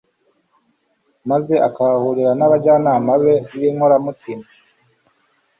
maze akahahurira n'abajyanama be b'inkoramutima